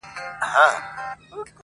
ما وېل سفر کومه ځمه او بیا نه راځمه.